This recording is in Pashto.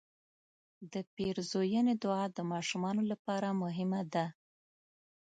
د پیرزوینې دعا د ماشومانو لپاره مهمه ده.